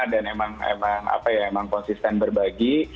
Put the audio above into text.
dan emang konsisten berbagi